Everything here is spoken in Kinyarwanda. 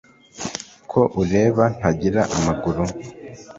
ko ureba ntagira amaguru